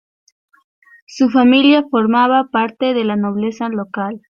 Su familia formaba parte de la nobleza local.